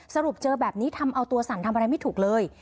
สรุปเจอแบบนี้ทำเอาตัวสั่นทำอะไรไม่ถูกเลย